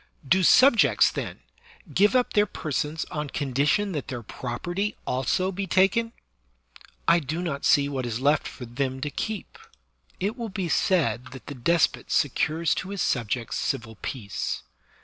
Do subjects, then, give up their persons on condition that their property also shall be taken? I do not see what is left for them to keep. It will be said that the despot secures to his subjects civil peace.